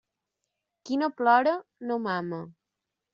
Qui no plora, no mama.